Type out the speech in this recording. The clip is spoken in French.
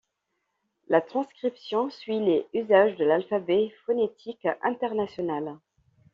La transcription suit les usages de l'alphabet phonétique international.